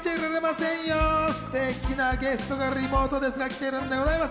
すてきなゲストがリモートですが、来てるんでございます。